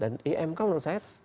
dan imk menurut saya